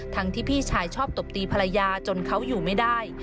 ที่พี่ชายชอบตบตีภรรยาจนเขาอยู่ไม่ได้